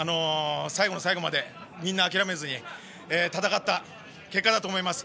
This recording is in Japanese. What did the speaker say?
最後の最後まで諦めずに戦った結果だと思います。